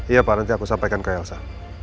iya pak nanti aku sampaikan ke elsa